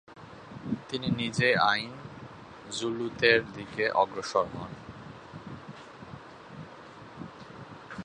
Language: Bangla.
তিনি নিজে আইন জালুতের দিকে অগ্রসর হয়।